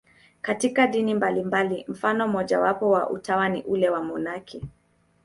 Katika dini mbalimbali, mfano mmojawapo wa utawa ni ule wa wamonaki.